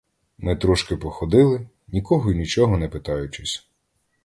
Ми трошки походили, нікого й нічого не питаючись.